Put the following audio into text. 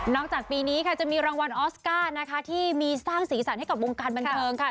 จากปีนี้ค่ะจะมีรางวัลออสการ์นะคะที่มีสร้างสีสันให้กับวงการบันเทิงค่ะ